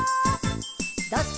「どっち？」